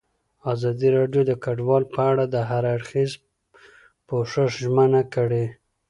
ازادي راډیو د کډوال په اړه د هر اړخیز پوښښ ژمنه کړې.